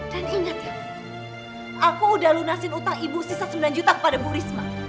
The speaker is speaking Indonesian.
dan ingat ya aku udah lunasin utang ibu sisa sembilan juta kepada bu risma